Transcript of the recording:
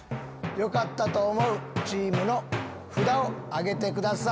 よかったと思うチームの札を挙げてください。